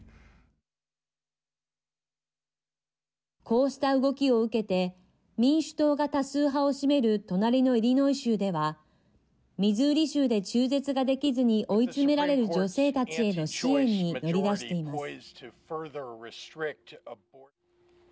こうした動きを受けて民主党が多数派を占める隣のイリノイ州ではミズーリ州で中絶ができずに追い詰められる女性たちへの支援に乗り出しています。